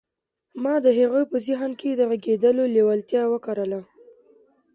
ما د هغه په ذهن کې د غږېدلو لېوالتیا وکرله